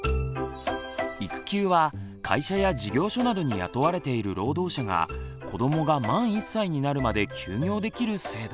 育休は会社や事業所などに雇われている労働者が子どもが満１歳になるまで休業できる制度。